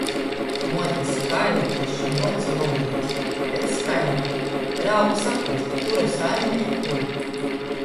Muote skaita, šņuoc i lomojās. Bet skaita. Rauga saprast, kura saime ir kura.